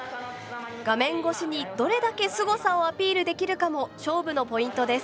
画面越しにどれだけすごさをアピールできるかも勝負のポイントです。